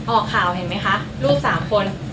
ออกข่าวเห็นไหมคะลูกสามคน